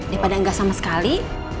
daripada gak sama sekali